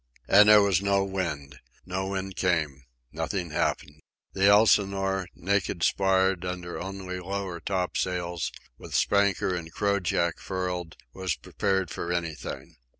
And there was no wind. No wind came. Nothing happened. The Elsinore, naked sparred, under only lower topsails, with spanker and crojack furled, was prepared for anything.